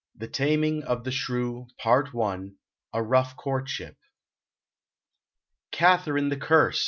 The Taming of the Shrew A Rough Courtship "Katherine the curst!"